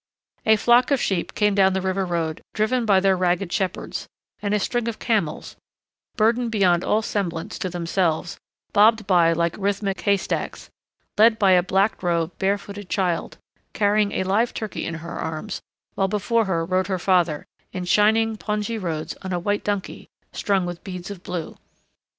A flock of sheep came down the river road, driven by their ragged shepherds, and a string of camels, burdened beyond all semblance to themselves, bobbed by like rhythmic haystacks, led by a black robed, bare footed child, carrying a live turkey in her arms while before her rode her father, in shining pongee robes on a white donkey strung with beads of blue.